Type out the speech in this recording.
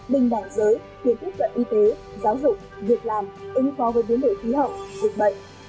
bình đẳng giới quyền tiếp cận y tế giáo dục việc làm in kho với vấn đề khí hậu dịch bệnh